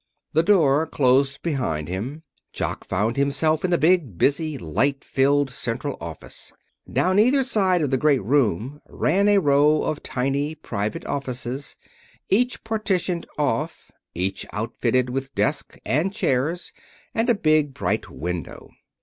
The door closed behind him. Jock found himself in the big, busy, light flooded central office. Down either side of the great room ran a row of tiny private offices, each partitioned off, each outfitted with desk, and chairs, and a big, bright window.